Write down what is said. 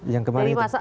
yang kemarin itu